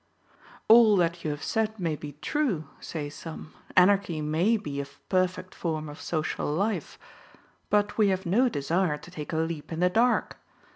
All that you have said may be true, say some; Anarchy may be a perfect form of social life; but we have no desire to take a leap in the dark.